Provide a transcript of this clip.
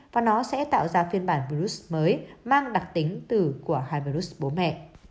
và nó sẽ tạo ra phiên bản virus mới mang đặc tính từ của hai virus bố mẹ